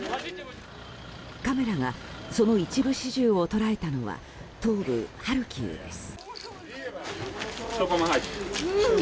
カメラがその一部始終を捉えたのは東部ハルキウです。